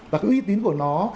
và cái uy tín của nó